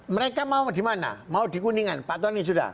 mereka mau di mana mau di kuningan pak tony sudah